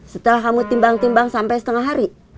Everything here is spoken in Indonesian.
setelah kamu timbang timbang sampai setengah hari